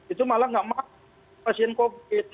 itu malah nggak mau pasien covid